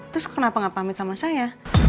terus kenapa gak pamit sama saya